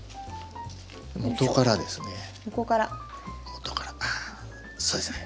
元からですね。